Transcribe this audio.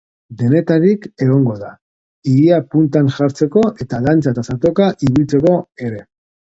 Denetarik egongo da, ileak puntan jartzeko eta dantza eta saltoka ibiltzeko ere!